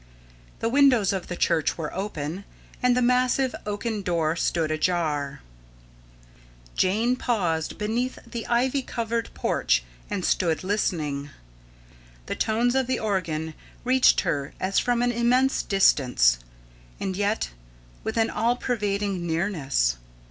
The windows of the church were open, and the massive oaken doors stood ajar. Jane paused beneath the ivy covered porch and stood listening. The tones of the organ reached her as from an immense distance, and yet with an all pervading nearness.